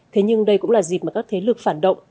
thế nhưng đây cũng là dịp mà các thế lực phản động